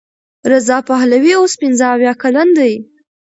رضا پهلوي اوس پنځه اویا کلن دی.